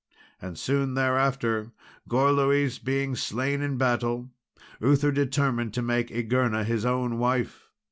And soon thereafter, Gorloïs being slain in battle, Uther determined to make Igerna his own wife.